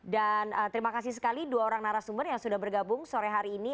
dan terima kasih sekali dua orang narasumber yang sudah bergabung sore hari ini